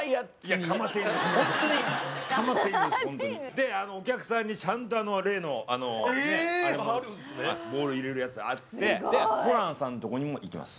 でお客さんにちゃんと例のあれもボール入れるやつあってでホランさんのとこにもいきます。